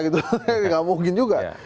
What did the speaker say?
gitu nggak mungkin juga